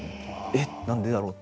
「えっ？何でだろう？」